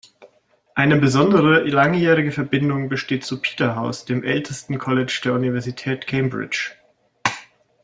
Eine besondere, langjährige Verbindung besteht zu Peterhouse, dem ältesten College der Universität Cambridge.